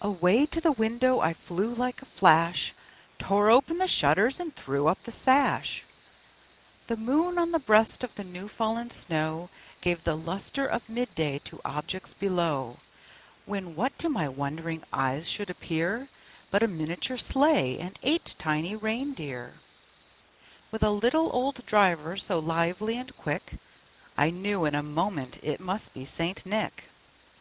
Away to the window I flew like a flash, Tore open the shutters and threw up the sash. The moon on the breast of the new fallen snow Gave the lustre of mid day to objects below, When, what to my wondering eyes should appear, But a miniature sleigh, and eight tiny reindeer, With a little old driver, so lively and quick, I knew in a moment it must be St. Nick.